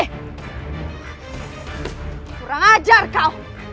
kurang ajar kau